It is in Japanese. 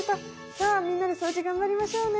さあみんなで掃除頑張りましょうね」。